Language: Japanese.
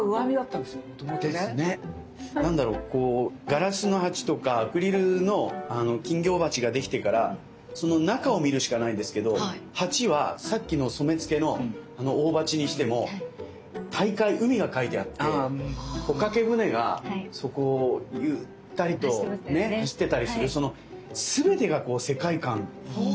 ガラスの鉢とかアクリルの金魚鉢ができてからその中を見るしかないんですけど鉢はさっきの染付の大鉢にしても大海海が描いてあって帆掛け船がそこをゆったりと走ってたりするその全てがこう世界観。